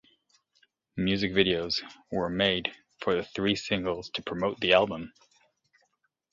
Music videos were made for the three singles to promote the album.